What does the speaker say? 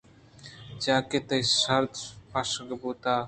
چیاکہ تئی شِراد ءَ پاشک بوتگ